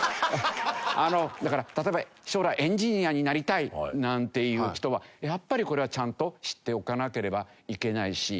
あのだから例えば将来エンジニアになりたいなんていう人はやっぱりこれはちゃんと知っておかなければいけないし。